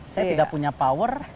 saya tidak punya power